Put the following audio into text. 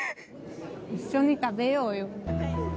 一緒に食べようよ。